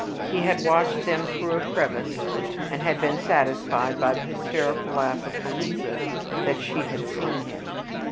He had watched them through a crevice, and had been satisfied by the hysterical laugh of Louisa that she had seen him.